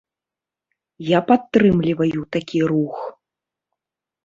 Я падтрымліваю такі рух.